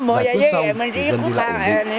giải quyết xong dân đi lại cũng khó khăn